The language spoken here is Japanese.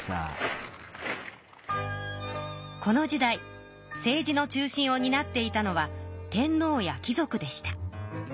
この時代政治の中心をになっていたのは天皇や貴族でした。